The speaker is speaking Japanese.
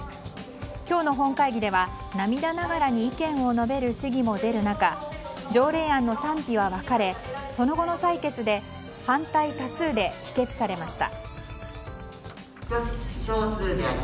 今日の本会議では涙ながらに意見を述べる市議も出る中条例案の賛否は分かれその後の採決で反対多数で否決されました。